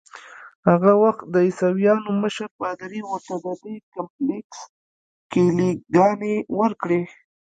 هغه وخت د عیسویانو مشر پادري ورته ددې کمپلیکس کیلې ګانې ورکړې.